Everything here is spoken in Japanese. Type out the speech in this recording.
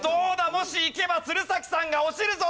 もしいけば鶴崎さんが落ちるぞ。